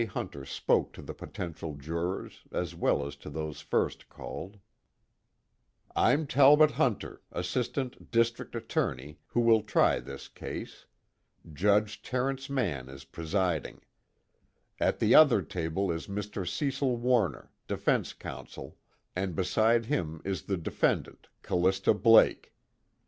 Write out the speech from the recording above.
Hunter spoke to the potential jurors as well as to those first called: "I'm Talbot Hunter, assistant district attorney who will try this case. Judge Terence Mann is presiding. At the other table is Mr. Cecil Warner, defense counsel, and beside him is the defendant Callista Blake.